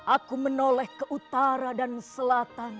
aku menoleh ke utara dan selatan